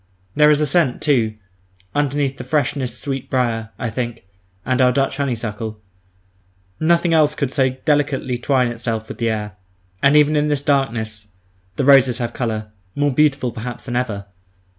There is a scent, too, underneath the freshness sweet brier, I think, and our Dutch honeysuckle; nothing else could so delicately twine itself with air. And even in this darkness the roses have colour, more beautiful perhaps than ever.